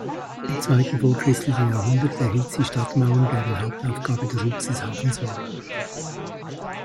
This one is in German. Im zweiten vorchristlichen Jahrhundert erhielt sie Stadtmauern, deren Hauptaufgabe der Schutz des Hafens war.